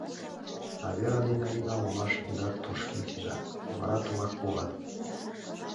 А Вера ден Алина ломаш еда тошкен кӱзат, вара тугак волат.